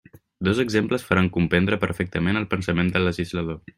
Dos exemples faran comprendre perfectament el pensament del legislador.